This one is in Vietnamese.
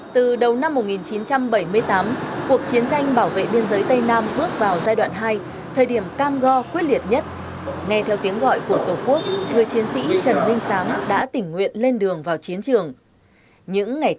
từ đầu năm một nghìn chín trăm bảy mươi tám cuộc chiến tranh bảo vệ biên giới tây nam bước vào giai đoạn hai thời điểm cam go quyết liệt nhất nghe theo tiếng gọi của tổ quốc người chiến sĩ trần minh sáng đã tỉnh nguyện lên đường vào chiến trường